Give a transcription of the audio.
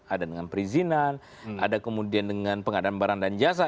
ada dengan perizinan ada kemudian dengan pengadaan barang dan jasa